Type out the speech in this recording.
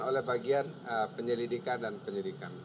oleh bagian penyelidikan dan penyelidikan